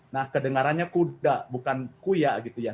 nah kedengarannya kuda bukan kuya gitu ya